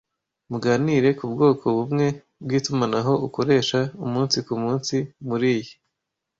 Muganire ku bwoko bumwe bwitumanaho ukoresha umunsi kumunsi muri y